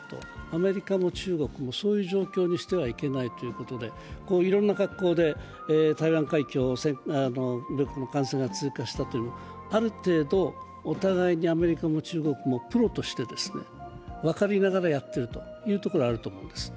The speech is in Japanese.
アメリカも中国もそういう状況にしてはいけないということでいろんな格好で台湾海峡を艦船が通過したというある程度お互いにアメリカも中国もプロとして分かりながらやっているというところがあると思うんです。